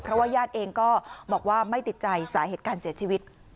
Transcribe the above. เพราะว่าญาติเองก็บอกว่าไม่ติดใจสาเหตุการเสียชีวิต